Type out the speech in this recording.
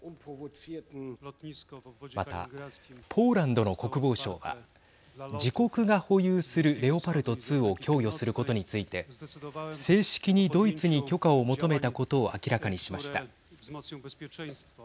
また、ポーランドの国防相は自国が保有するレオパルト２を供与することについて正式にドイツに許可を求めたことを明らかにしました。